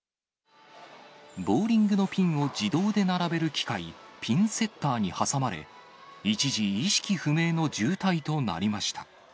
ボウリングのピンを自動で並べる機械、ピンセッターに挟まれ、一時、意識不明の重体となりました。